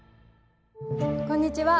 こんにちは。